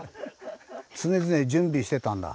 常々準備してたんだ。